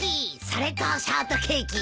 それとショートケーキ。